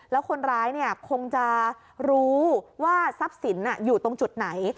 แล้วคนร้ายเนี่ยคงจะรู้ว่าซับสินอยู่ตรงจุดไหน